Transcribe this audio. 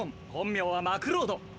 本名はマクロード。